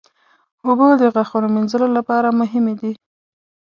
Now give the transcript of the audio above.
اوبه د غاښونو مینځلو لپاره مهمې دي.